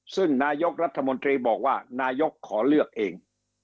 ซึ่งนายกรัฐมนตรีบอกว่านายกขอเลือกเอง